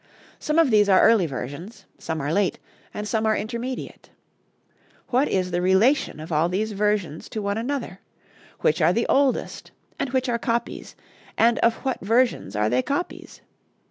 Some of these are early versions, some are late, and some are intermediate. What is the relation of all these versions to one another? Which are the oldest, and which are copies, and of what versions are they copies?